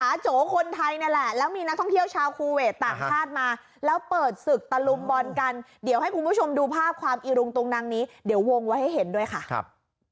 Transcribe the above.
โจคนไทยนี่แหละแล้วมีนักท่องเที่ยวชาวคูเวทต่างชาติมาแล้วเปิดศึกตะลุมบอลกันเดี๋ยวให้คุณผู้ชมดูภาพความอีรุงตุงนังนี้เดี๋ยววงไว้ให้เห็นด้วยค่ะครับ